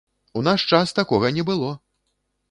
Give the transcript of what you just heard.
У наш час такога не было!